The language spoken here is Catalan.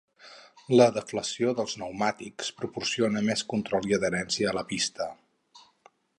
La deflació dels pneumàtics proporciona més control i adherència a la pista.